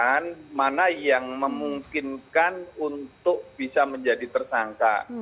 dan mana yang memungkinkan untuk bisa menjadi tersangka